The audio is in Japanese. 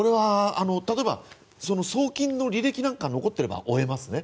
例えば送金の履歴なんかが残っていれば追えますね。